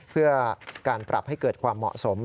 เพื่อการปรับให้เกิดความเหมาะสม